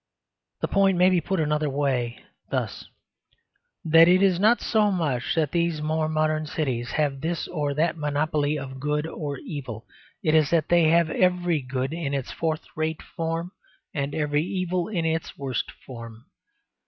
The point may be put another way, thus: that it is not so much that these more modern cities have this or that monopoly of good or evil; it is that they have every good in its fourth rate form and every evil in its worst form.